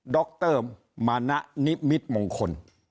ดรมณะนิมิตมงคล